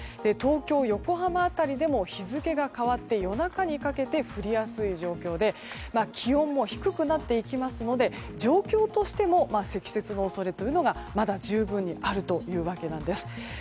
東京、横浜辺りでも日付が変わって夜中にかけて降りやすい状況で気温も低くなっていきますので状況としても積雪の恐れというのがまだ十分にあるというわけです。